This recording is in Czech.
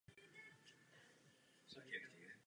Mise je úspěšně ukončena.